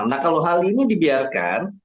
nah kalau hal ini dibiarkan